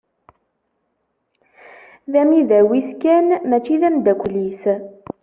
D amidaw-is kan, mačči d amdakel-is.